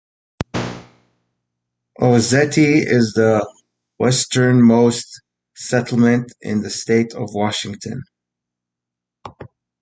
Ozette is the westernmost settlement in the state of Washington.